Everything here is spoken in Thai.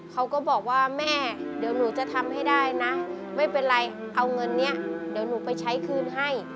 เขาก็บอกว่าแม่เดี๋ยวหนูจะทำให้ได้นะไม่เป็นไรเอาเงินนี้เดี๋ยวหนูไปใช้คืนให้